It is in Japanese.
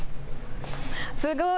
すごい。